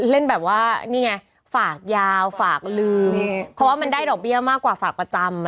เล่นแบบว่านี่ไงฝากยาวฝากลืมเพราะว่ามันได้ดอกเบี้ยมากกว่าฝากประจำ